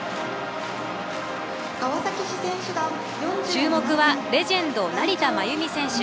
注目はレジェンド成田真由美選手。